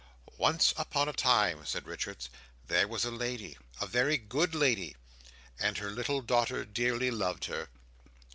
"Once upon a time," said Richards, "there was a lady—a very good lady, and her little daughter dearly loved her."